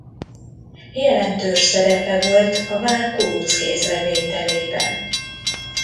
Jelentős szerepe volt a vár kuruc kézre vételében.